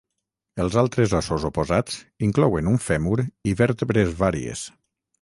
Els altres ossos oposats inclouen un fèmur i vèrtebres vàries.